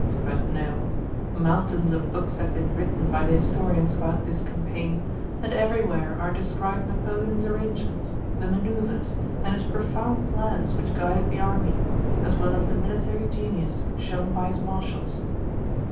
But no! Mountains of books have been written by the historians about this campaign, and everywhere are described Napoleon's arrangements, the maneuvers, and his profound plans which guided the army, as well as the military genius shown by his marshals.